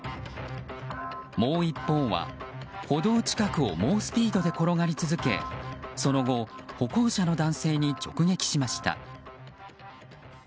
もう一方は歩道近くを猛スピードで転がり続けその後、歩行者の男性に直撃しました。